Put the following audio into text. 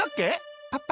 パパ。